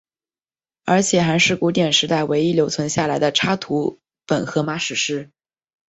而且还是古典时代唯一留存下来的插图本荷马史诗。